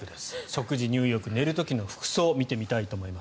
食事、入浴寝る時の服装見てみたいと思います。